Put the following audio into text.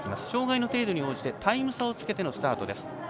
障がいの程度に応じてタイム差をつけてのスタートです。